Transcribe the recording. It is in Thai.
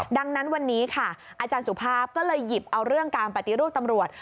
ดังนั้นวันนี้ค่ะอาจารย์สุภาพก็เลยหยิบเอาเรื่องการปฏิรูปตำรวจ